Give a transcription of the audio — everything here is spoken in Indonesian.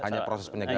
hanya proses penyegaran